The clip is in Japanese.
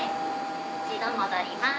一度戻ります。